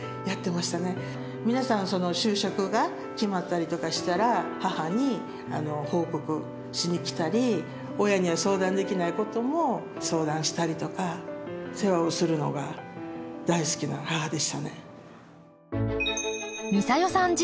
皆さん就職が決まったりとかしたら母に報告しに来たり親には相談できないことも相談したりとか世話をするのが大好きな母でしたね。